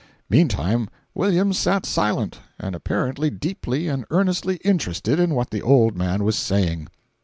Meantime Williams sat silent, and apparently deeply and earnestly interested in what the old man was saying.